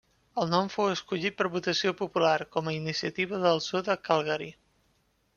El nom fou escollit per votació popular com a iniciativa del Zoo de Calgary.